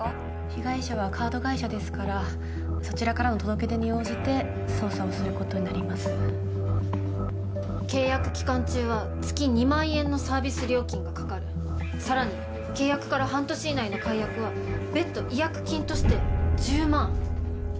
被害者はカード会社ですからそちらからの届け出に応じて捜査をすることになります契約期間中は月２万円のサービス料金がかかるさらに契約から半年以内の解約は別途違約金として１０万